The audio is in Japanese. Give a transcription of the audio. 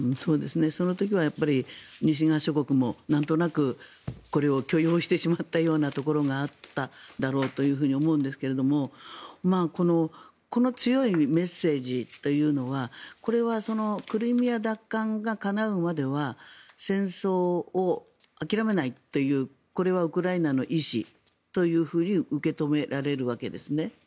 その時は西側諸国もなんとなくこれを許容してしまったところがあっただろうと思うんですけれどもこの強いメッセージというのはこれはクリミア奪還がかなうまでは戦争を諦めないというこれはウクライナの意思と受け止められるわけですね。